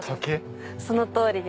そのとおりです。